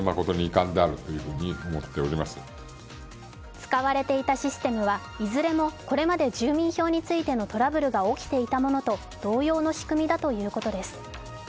使われていたシステムはいずれもこれまで住民票についてのトラブルが起きていたものと同様の仕組みだということです。